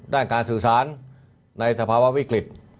ด้านการสื่อสารในสภาวะวิกฤต